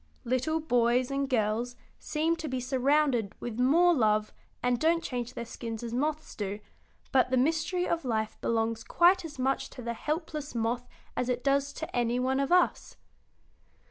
Little boys and girls seem to be surrounded with more love and don't change their skins as moths do, but the mystery of life belongs quite as much to the helpless moth as it does to any one of us."